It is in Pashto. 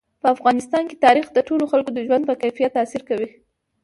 په افغانستان کې تاریخ د ټولو خلکو د ژوند په کیفیت تاثیر کوي.